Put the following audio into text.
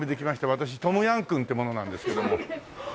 私トムヤムクンって者なんですけども。